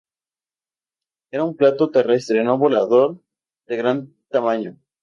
Era un pato terrestre no volador de gran tamaño.